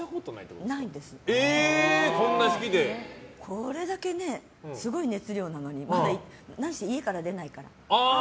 これだけねすごい熱量なのに家から出ないから。